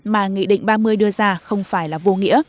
mà nghị định ba mươi đưa ra không phải là vô nghĩa